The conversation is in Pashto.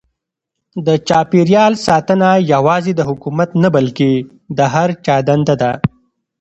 د چاپیریال ساتنه یوازې د حکومت نه بلکې د هر چا دنده ده.